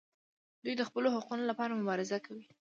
دوی د خپلو حقونو لپاره مبارزه کوي.